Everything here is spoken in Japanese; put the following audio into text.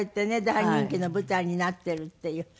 大人気の舞台になっているっていう